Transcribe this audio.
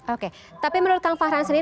oke tapi menurut tang fahran sendiri